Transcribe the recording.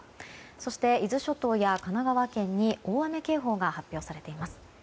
そして伊豆諸島や神奈川県に大雨警報が発表されています。